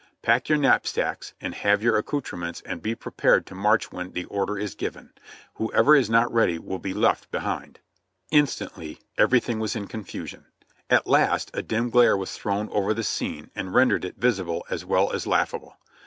Pack your knap sacks and have your accoutrements and be prepared to march when the order is given; whoever is not ready will be left be hind." Instantly everything was in confusion. At last a dim glare was thrown over the scene and rendered it visible as well as laughable.